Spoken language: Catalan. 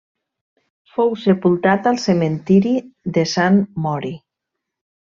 Fou sepultat al cementiri de Sant Mori.